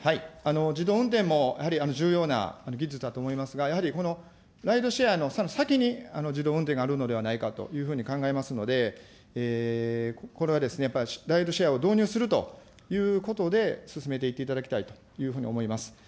自動運転もやはり重要な技術だと思いますが、やはり、このライドシェアの、その先に自動運転があるのではないかと考えますので、これはですね、やっぱりライドシェアを導入するということで進めていっていただきたいというふうに思います。